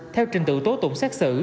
theo trình tựu tố tụng xét xử